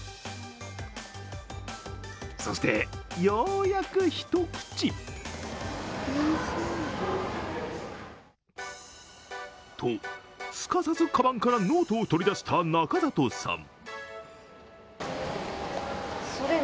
そして、ようやく、一口。と、すかさずかばんからノートを取り出した中里さん。